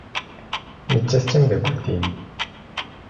Nettat d tameddakelt-im.